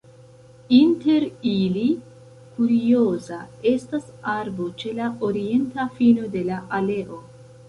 Inter ili kurioza estas arbo ĉe la orienta fino de la aleo.